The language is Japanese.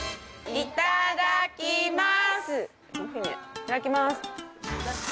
いただきます。